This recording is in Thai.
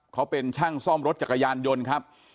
เค้าเป็นช่างสร้อมรถจักรยานยนต์